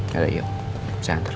yaudah yuk saya hantar